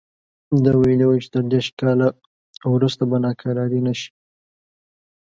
ده ویلي وو چې تر دېرش کاله وروسته به ناکراري نه شي.